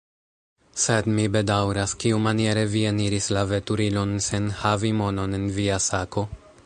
Sed mi bedaŭras, kiumaniere vi eniris la veturilon sen havi monon en via sako?